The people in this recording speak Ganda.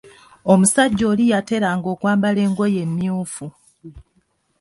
Omusajja oli yateranga okwambala engoye emyuufu.